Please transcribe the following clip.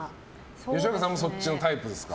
吉岡さんもそっちのタイプですか。